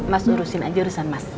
mas lurusin aja urusan mas